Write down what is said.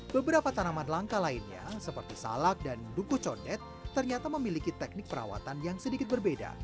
beberapa tanaman langka lainnya seperti salak dan duku condet ternyata memiliki teknik perawatan yang sedikit berbeda